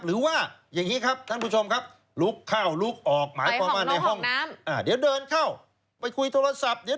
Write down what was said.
หรือว่าอย่างนี้ครับท่านผู้ชมครับ